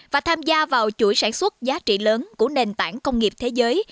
và tham gia vào chuỗi sản xuất giá trị lớn của nền tảng công nghiệp thế giới